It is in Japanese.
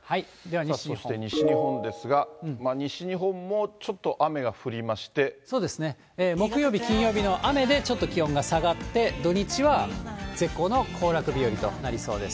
そして西日本ですが、西日本そうですね、木曜日、金曜日の雨でちょっと気温が下がって、土日は絶好の行楽日和となりそうです。